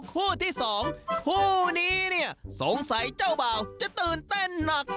คู่ที่สองคู่นี้เนี่ยสงสัยเจ้าบ่าวจะตื่นเต้นหนัก